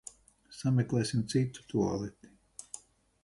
Sameklēsim citu tualeti.